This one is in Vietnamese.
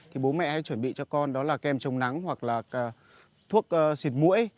thì bố mẹ hãy chuẩn bị cho con đó là kem trông nắng hoặc là thuốc xịt mũi